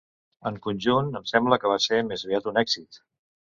En conjunt, em sembla que vaig ser més aviat un èxit.